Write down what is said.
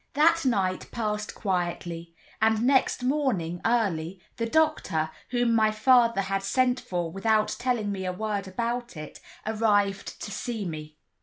That night passed quietly; and next morning early, the doctor, whom my father had sent for without telling me a word about it, arrived to see me.